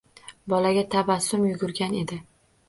Bolaga tabassum yugurgan edi.